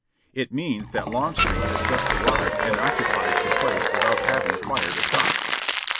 "It means that Longstreet has just arrived and occupies the place without having fired a shot."